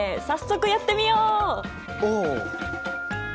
早速やってみよう！